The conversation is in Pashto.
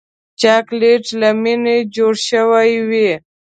چاکلېټ له مینې جوړ شوی وي.